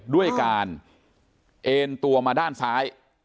ด้วยการเอ็นตัวมาด้านซ้าย